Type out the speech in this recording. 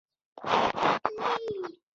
کله کله خو يې د افغان وطن د تاريخي هويت.